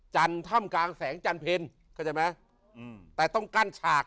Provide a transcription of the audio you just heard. จันทร์ถ้ำกลางแสงจันทร์เพลแต่ต้องกั้นฉาก